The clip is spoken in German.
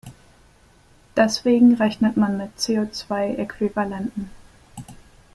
Deswegen rechnet man mit CO-zwei-Äquivalenten.